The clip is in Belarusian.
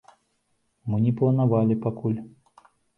Мы не планавалі пакуль.